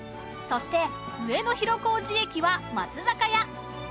そして上野広小路駅は松坂屋